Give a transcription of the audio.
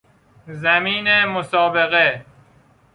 زمین مسابقه